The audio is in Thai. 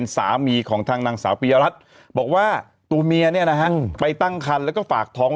สามีของทางนางสาวปิยารัฐบอกว่าตัวเมียไปตั้งคันและฝากท้อง